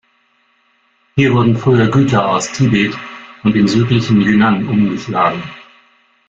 Hier wurden früher Güter aus Tibet und dem südlichen Yunnan umgeschlagen.